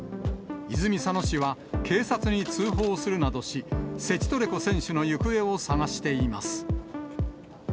泉佐野市は、警察に通報するなどし、セチトレコ選手の行方を捜しています。